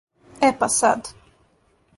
Е па сад.